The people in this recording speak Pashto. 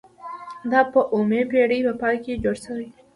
دا په اوومې پیړۍ په پای کې جوړ شوي.